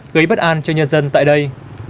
gây bất an cho nhân dân tại đây